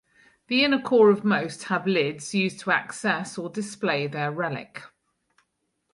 The inner core of most have lids used to access or display their relic.